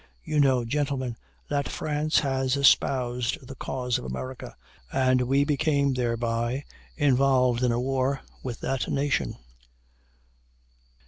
You know, gentlemen, that France had espoused the cause of America, and we became thereby involved in a war with that nation.